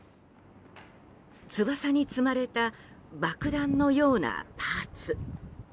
翼に積まれた爆弾のようなパーツ。